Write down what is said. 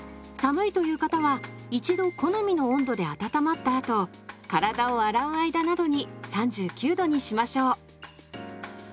寒いという方は一度好みの温度で温まったあと体を洗う間などに３９℃にしましょう。